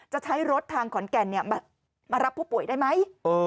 ใช้รถทางขอนแก่นมารับผู้ป่วยได้ไหม